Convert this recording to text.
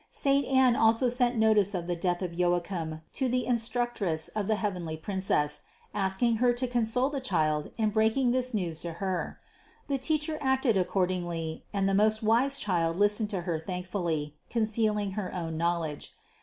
Saint Anne also sent notice of the 520 CITY OF GOD death of Joachim to the instructress of the heavenly Prin cess, asking Her to console the Child in breaking this news to Her. The teacher acted accordingly and the most wise Child listened to her thankfully, concealing her own knowledge.